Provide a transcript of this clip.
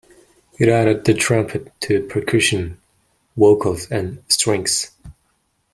It added the trumpet to percussion, vocals, and strings.